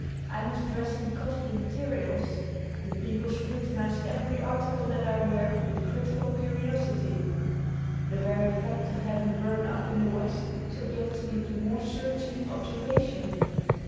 I must dress in costly materials. The people scrutinize every article that I wear with critical curiosity. The very fact of having grown up in the West, subjects me to more searching observation.